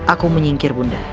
aku menyingkir bunda